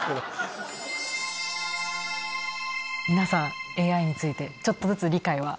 皆さんＡＩについてちょっとずつ理解は？